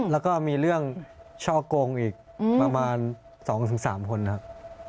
แล้วก็มีเรื่องช่อกงอีกประมาณ๒๓คนครับ